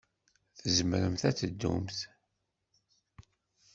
Tzemremt ad teddumt.